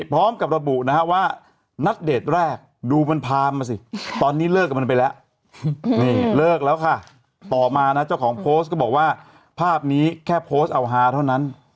โพสต์เอาฮาเท่านั้น